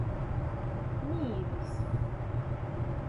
Mīlis.